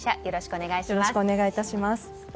よろしくお願いします。